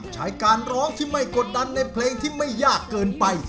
ใช้การร้องที่ไม่กดดันในเพลงที่ไม่ยากเกินไป